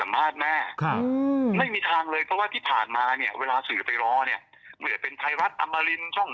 อ่าบอกแม่แม่อย่าไปสามภาษณ์สื่อนะกลับไปเลยค่ะครับมันมัน